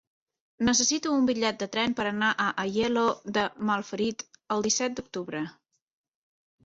Necessito un bitllet de tren per anar a Aielo de Malferit el disset d'octubre.